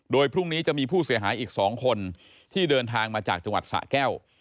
โดยพรุ่งนี้จะมีผู้เสียหายอีก๒คนที่เดินทางมาจากจังหวัดสะแก้ว